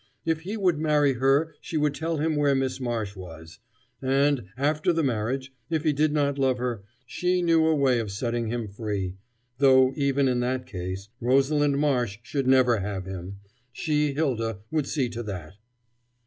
If he would marry her, she would tell him where Miss Marsh was: and, after the marriage, if he did not love her, she knew a way of setting him free though, even in that case, Rosalind Marsh should never have him she, Hylda, would see to that.